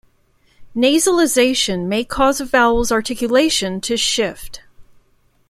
Nasalization may cause a vowel's articulation to shift.